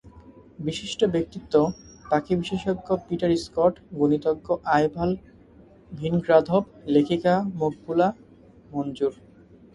বিশিষ্ট ব্যক্তিত্ব পাখিবিশেষজ্ঞ Peter Scott, গণিতজ্ঞ আইভাল ভিনগ্রাদভ, লেখিকা মকবুলা মঞ্জুর।